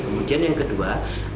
kemudian yang kedua